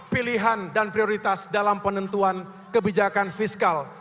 pilihan dan prioritas dalam penentuan kebijakan fiskal